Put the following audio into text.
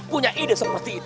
punya ide seperti itu